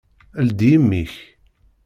Ldi imi-k!